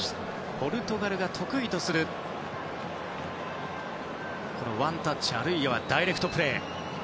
ポルトガルが得意とするワンタッチあるいはダイレクトプレー。